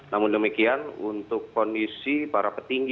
namun demikian untuk kondisi para petinggi